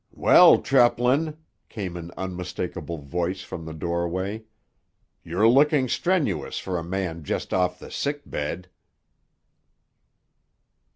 "Well, Treplin," came an unmistakable voice from the doorway, "you're looking strenuous for a man just off the sickbed."